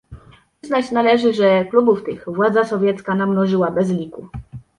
"Przyznać należy, że klubów tych władza sowiecka namnożyła bez liku."